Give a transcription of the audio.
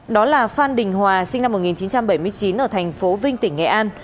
đó là phan đình hòa sinh năm một nghìn chín trăm bảy mươi chín ở thành phố vinh tỉnh nghệ an